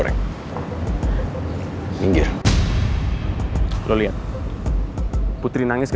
nanti kita kembali ke tempat yang sama